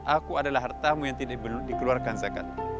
aku adalah hartamu yang tidak dikeluarkan zakat